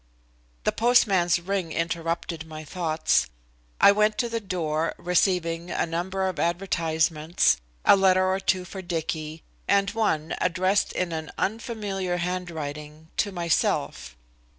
The postman's ring interrupted my thoughts. I went to the door, receiving a number of advertisements, a letter or two for Dicky, and one, addressed in an unfamiliar handwriting, to myself.